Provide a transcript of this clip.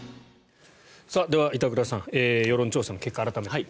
では、板倉さん世論調査の結果を改めて。